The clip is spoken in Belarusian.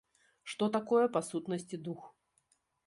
Што такое па сутнасці дух.